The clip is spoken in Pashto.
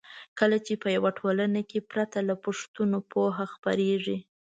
کله چې په یوه ټولنه کې پرته له پوښتنو پوهه خپریږي.